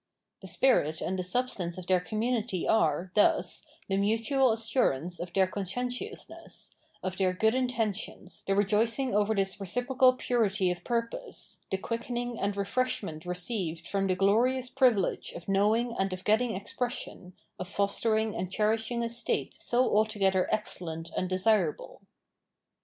The spirit and the substance of their community are, thus, the mutual assurance of their conscientiousness, of their good intentions, the rejoicing over this reciprocal purity of purpose, the quickening and refreshment received from the glorious privilege of knowing and of getting expression, of fostering and cherishing a state so altogether excellent and desirable.